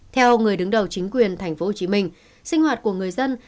theo người đứng đầu chính quyền tp hcm sinh hoạt của người dân